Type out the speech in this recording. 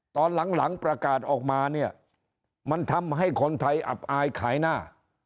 ตอนหลังประกาศออกมาเนี่ยมันทำให้คนไทยอับอายขายหน้า